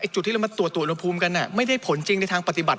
จุดที่เรามาตรวจอุณหภูมิกันไม่ได้ผลจริงในทางปฏิบัติ